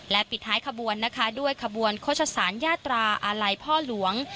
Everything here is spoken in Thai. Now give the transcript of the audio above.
ปิดท้ายขบวนนะคะด้วยขบวนโฆษศาลยาตราอาลัยพ่อหลวง